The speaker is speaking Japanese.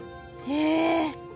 へえ！